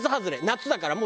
夏だから。